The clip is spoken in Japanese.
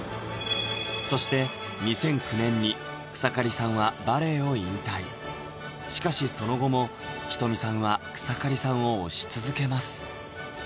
そして２００９年に草刈さんはバレエを引退しかしその後も仁美さんは草刈さんを推し続けます